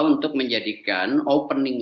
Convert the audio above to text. untuk menjadikan opening